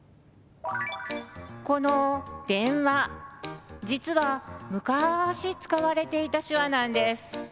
この「電話」実は昔使われていた手話なんです。